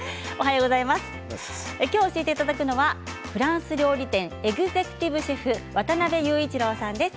きょう教えていただくのはフランス料理店、エグゼクティブシェフ、渡辺雄一郎さんです。